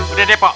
udah deh pok